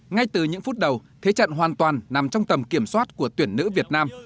ngay từ những phút đầu thế trận hoàn toàn nằm trong tầm kiểm soát của tuyển nữ việt nam